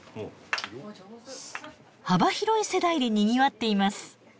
幅広い世代でにぎわっています。